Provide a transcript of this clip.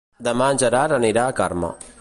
Demà en Gerard anirà a Carme.